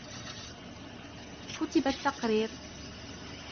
كتب التقرير.